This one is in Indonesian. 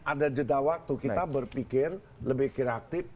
ada jeda waktu kita berpikir lebih kreatif